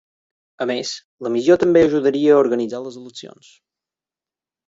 A més, la missió també ajudaria a organitzar les eleccions.